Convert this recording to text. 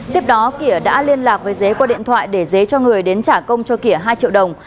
tiếp đó kẻ đã liên lạc với dế qua điện thoại để dế cho người đến trả công cho khỉa hai triệu đồng